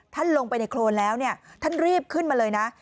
หลงไปในโครนแล้วฮ่านรีบขึ้นมาเลยนะ